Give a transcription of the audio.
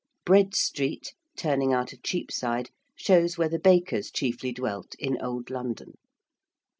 ~Bread Street~, turning out of Cheapside, shows where the bakers chiefly dwelt in Old London.